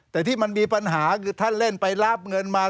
แต่ที่มันมีปัญหาคือท่านเล่นไปรับเงินมา